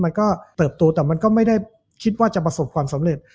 เติบโตแต่มันก็ไม่ได้คิดว่าจะประสบความสำเร็จ